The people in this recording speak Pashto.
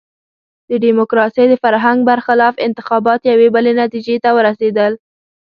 د ډیموکراسۍ د فرهنګ برخلاف انتخابات یوې بلې نتیجې ته ورسېدل.